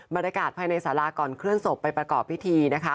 บรรยากาศภายในสาราก่อนเคลื่อนศพไปประกอบพิธีนะคะ